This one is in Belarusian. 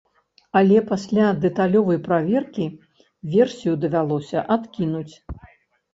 Але пасля дэталёвай праверкі версію давялося адкінуць.